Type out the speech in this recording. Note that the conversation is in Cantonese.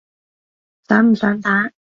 想唔想打？